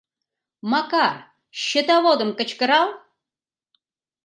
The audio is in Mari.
Макар, счетоводым кычкырал.